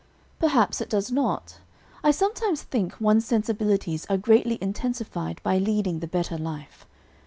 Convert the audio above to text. "Perhaps it does not. I sometimes think one's sensibilities are greatly intensified by leading the better life.